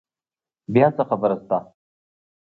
بیا څه خبره شته؟